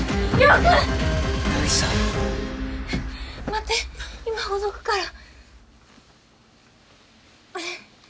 待って今ほどくから。